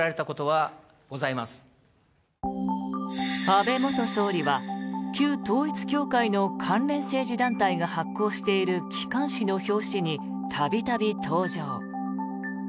安倍元総理は旧統一教会の関連政治団体が発行している機関誌の表紙に度々、登場。